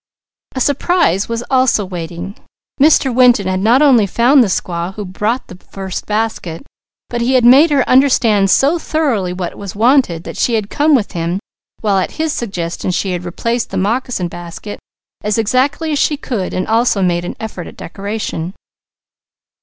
A surprise was also waiting. Mr. Winton had not only found the squaw who brought the first basket, but he had made her understand so thoroughly what was wanted that she had come with him, while at his suggestion she had replaced the moccasin basket as exactly as she could and also made an effort at decoration.